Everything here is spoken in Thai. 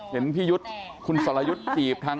เห็นพี่ยุทธ์คุณสรยุทธ์จีบทาง